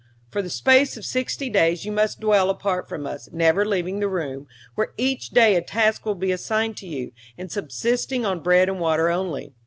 For the space of sixty days you must dwell apart from us, never leaving the room, where each day a task will be assigned to you, and subsisting on bread and water only.